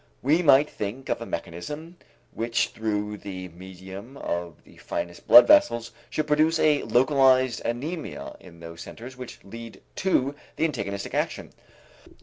We might think of a mechanism which through the medium of the finest blood vessels should produce a localized anæmia in those centers which lead to the antagonistic action.